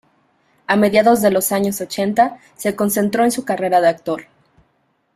A mediados de los años ochenta, se concentró en su carrera de actor.